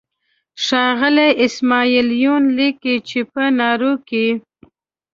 ښاغلی اسماعیل یون لیکي چې په نارو کې.